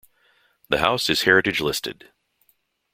The house is heritage-listed.